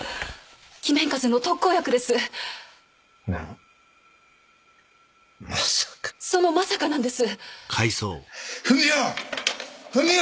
鬼面風邪の特効薬ですなまさかそのまさかなんです文代！